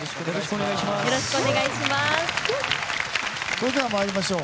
それでは参りましょう。